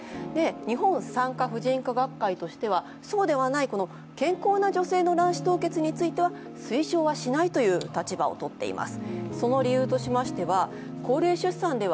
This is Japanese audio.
日本産科婦人科学会としては、そうではない健康な女性の卵子凍結については推奨はしないという立場をとっています。